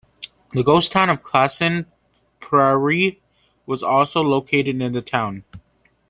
The ghost town of Clason Prairie was also located in the town.